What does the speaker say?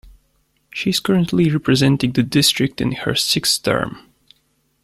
She is currently representing the district in her sixth term.